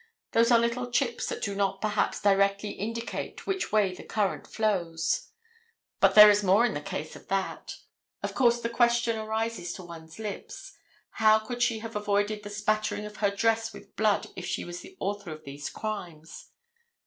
Those are little chips that do not perhaps directly indicate which way the current flows. But there is more in the case than that. Of course the question arises to one's lips. How could she have avoided the spattering of her dress with blood if she was the author of these crimes?